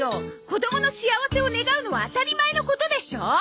子どもの幸せを願うのは当たり前のことでしょ！